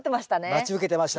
待ち受けてました。